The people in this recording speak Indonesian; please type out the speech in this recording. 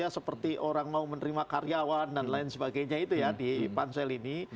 seperti orang mau menerima karyawan dan lain sebagainya itu ya di pansel ini